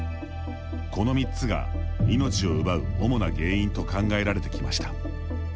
この３つが、命を奪う主な原因と考えられてきました。